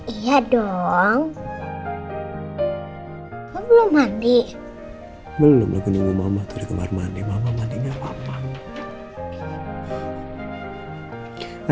iya dong belum mandi belum lagi nunggu mama tadi kemar mandi mama mandinya papa